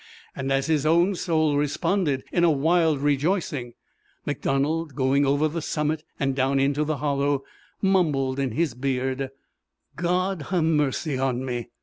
And as his own soul responded in a wild rejoicing, MacDonald, going over the summit and down into the hollow, mumbled in his beard: "God ha' mercy on me!